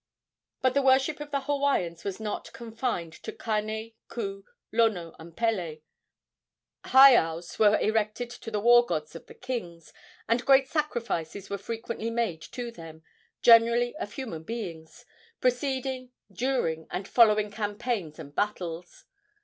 But the worship of the Hawaiians was not confined to Kane, Ku, Lono and Pele. Heiaus were erected to the war gods of the kings, and great sacrifices were frequently made to them, generally of human beings, preceding, during, and following campaigns and battles.